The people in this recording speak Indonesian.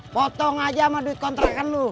potong aja sama duit kontrakan lu